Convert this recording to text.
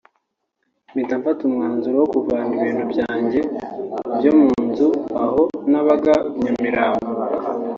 Mpita mfata umwanzuro wo kuvana ibintu byanjye byo mu nzu aho nabaga i Nyamirambo